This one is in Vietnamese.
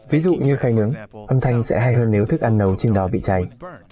ví dụ như khay nướng âm thanh sẽ hay hơn nếu thức ăn nấu trên đó bị cháy